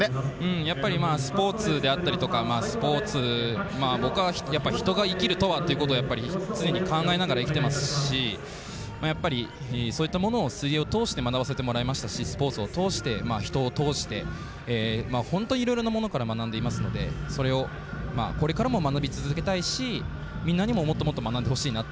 スポーツであったりとか僕は人が生きるとはということを常に考えながら生きてますし、やっぱりそういったものを水泳を通して学ばせてもらいましたしスポーツを通して人を通して、本当にいろいろなものから学んでいますのでそれを、これからも学び続けたいしみんなも、もっともっと。